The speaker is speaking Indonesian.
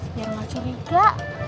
biar mas pur juga